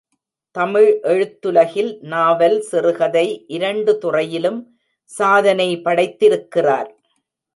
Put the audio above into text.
தமிழ் எழுத்துலகில் நாவல், சிறுகதை இரண்டு துறையிலும் சாதனை படைத்திருக்கிறார்.